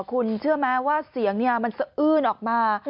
คุณเชื่อไหมว่าเสียงมันสะอื้นออกมา